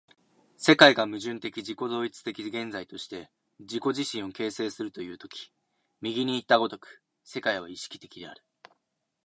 世界が矛盾的自己同一的現在として自己自身を形成するという時右にいった如く世界は意識的である。